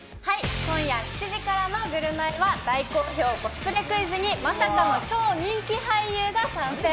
今夜７時からの『ぐるナイ』は大好評、コスプレクイズにまさかの超人気俳優が参戦。